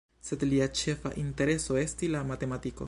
Sed lia ĉefa intereso esti la matematiko.